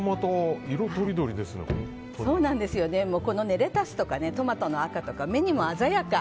レタスとか、トマトの赤とか目にも鮮やか。